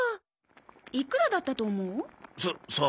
いくらだったと思う？